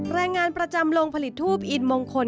แรงงานประจำลงผลิตทูปอินมงคล